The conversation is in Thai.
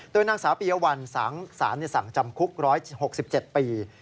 โดยนางสาวปียวัลสารสั่งจำคุก๑๖๗ปี